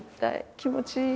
気持ちいい。